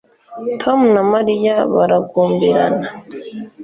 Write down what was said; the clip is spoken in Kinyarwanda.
tom na mariya baragumbirana